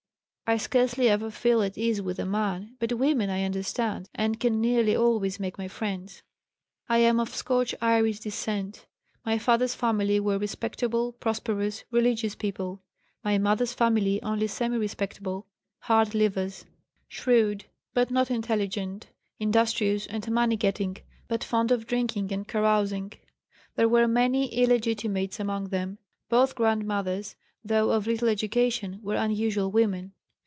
I scarcely ever feel at ease with a man; but women I understand and can nearly always make my friends. "I am of Scotch Irish descent. My father's family were respectable, prosperous, religious people; my mother's family only semi respectable, hard livers, shrewd, but not intelligent, industrious and money getting, but fond of drinking and carousing. There were many illegitimates among them. Both grandmothers, though of little education, were unusual women.